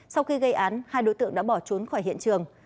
sau khi gây án hai đối tượng đã bỏ trốn khỏi hiện trường